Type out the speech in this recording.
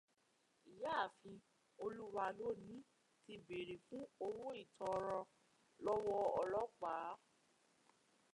Ìyáàfin Olúwalóní ti bèèrè fún owó ìtanràn lọ́wọ́ ọlọ́pàá.